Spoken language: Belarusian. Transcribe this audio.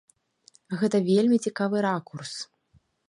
Гэта вельмі цікавы ракурс.